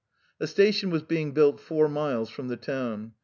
The station was being built five miles from the town.